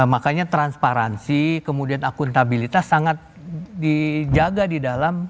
makanya transparansi kemudian akuntabilitas sangat dijaga di dalam